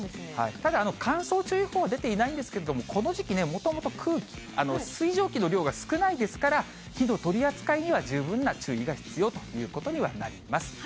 ただ乾燥注意報は出ていないんですけれども、この時期ね、もともと空気、水蒸気の量が少ないですから、火の取り扱いには十分な注意が必要ということにはなります。